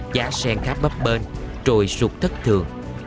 giá sen khá bấp bên trồi ruột thất thường